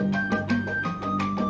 nggak ada pantun